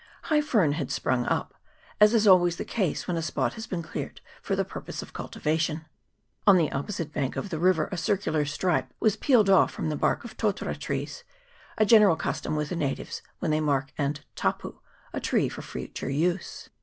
High fern had sprung up, as is always the case when a spot has been cleared for the pur pose of cultivation. On the opposite bank of the river a circular stripe was pealed off from the bark of totara trees, a general custom with the natives when they mark and " tapu " a tree for future use.